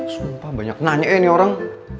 sumpah banyak nanya ya nih orang